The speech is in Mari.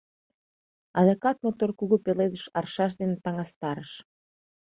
Адакат мотор кугу пеледыш аршаш дене таҥастарыш.